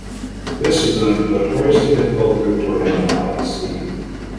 This is a notoriously difficult group to identify at sea.